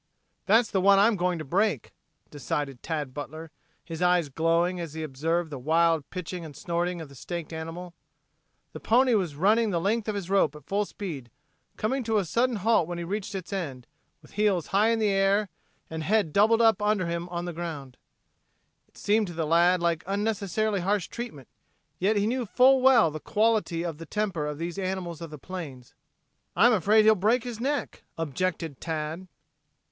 "That's the one I'm going to break," decided Tad Butler, his eyes glowing as he observed the wild pitching and snorting of the staked animal. The pony was running the length of his rope at full speed, coming to a sudden halt when he reached its end, with heels high in the air and head doubled up under him on the ground. It seemed to the lad like unnecessarily harsh treatment, yet he knew full well the quality of the temper of these animals of the plains. "I'm afraid he'll break his neck," objected Tad.